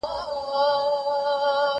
ايا ته وخت تېروې،